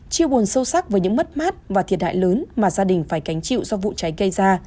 chiêu buồn sâu sắc với những mất mát và thiệt hại lớn mà gia đình phải cánh chịu do vụ cháy gây ra